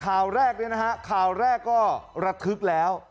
ข่าวแรกเนี่ยนะฮะข่าวแรกก็ระทึกแล้ว